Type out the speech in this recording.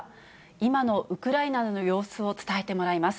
今のウクライナの様子を伝えてもらいます。